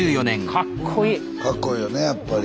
かっこいいよねやっぱり。